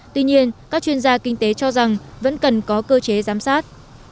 tuy nhiên các chuyên gia kinh tế cho rằng vẫn cần có cơ chế giám sát